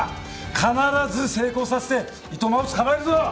必ず成功させて糸間を捕まえるぞ。